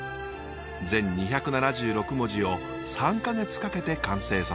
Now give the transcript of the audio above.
全２７６文字を３か月かけて完成させました。